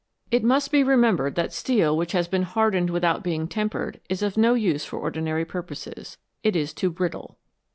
It must be remembered that steel which has been hardened without being tempered is of no use for ordinary purposes ; it is too brittle.